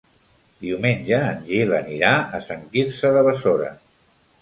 Diumenge en Gil anirà a Sant Quirze de Besora.